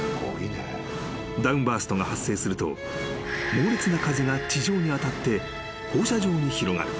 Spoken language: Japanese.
［ダウンバーストが発生すると猛烈な風が地上に当たって放射状に広がる。